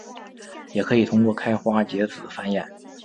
也可以通过开花结籽繁衍。